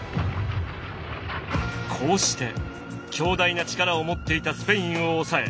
こうして強大な力を持っていたスペインを抑え